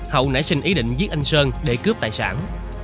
hậu nảy sinh ý định giết anh sơn để cướp tài sản